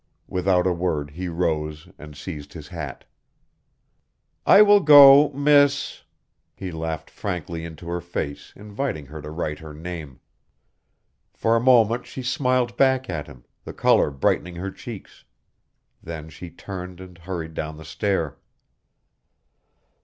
Without a word he rose and seized his hat. "I will go, Miss " He laughed frankly into her face, inviting her to write her name. For a moment she smiled back at him, the color brightening her cheeks. Then she turned and hurried down the stair.